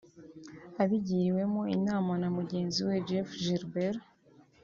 Abigiriwemo inama na mugenzi we Jeff Gilbert